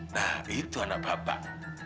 nah itu anak bapak